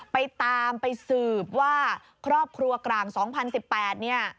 ไปตามไปสืบว่าครอบครัวกลาง๒๐๑๘เนี่ย